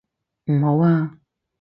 唔好啊！